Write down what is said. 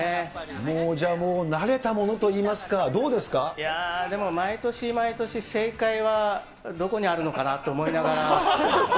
もう、じゃあ慣れたものといいやー、でも毎年毎年、正解はどこにあるのかなって思いながら。